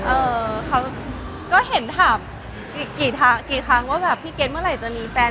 เอ่อเขาก็เห็นถามกี่ครั้งว่าแบบพี่เก็ตเมื่อไหร่จะมีแฟน